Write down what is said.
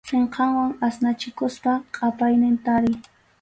Sinqawan asnachikuspa qʼapaynin tariy.